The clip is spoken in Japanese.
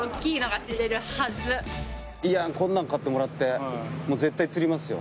いやこんなん買ってもらってもう絶対釣りますよ。